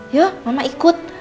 yuk mama ikut